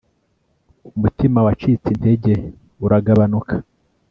Umutima wacitse intege uragabanuka